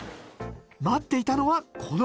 待っていたのはこの方。